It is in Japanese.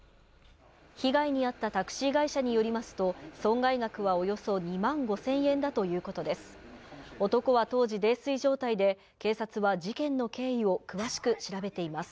被害に遭ったタクシー会社によりますと、損害額はおよそ２万５０００円だということです。